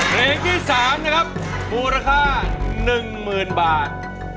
เรงที่สามนะครับมูลค่าหนึ่งหมื่นบาท